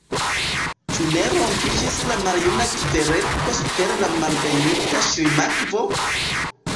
Ĉu ne rompiĝis la maljuna kverko super la Malbenita Ŝlimakvo?